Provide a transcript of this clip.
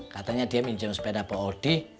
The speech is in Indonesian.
katanya dia minjem sepeda pak odi